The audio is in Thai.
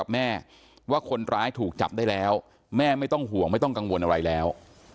แม่ว่าคนร้ายถูกจับได้แล้วแม่ไม่ต้องห่วงไม่ต้องกังวลอะไรแล้ว